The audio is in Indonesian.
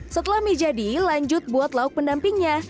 setelah mie jadi lanjut buat lauk pendampingnya